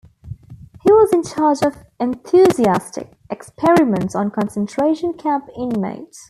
He was in charge of "enthusiastic" experiments on concentration camp inmates.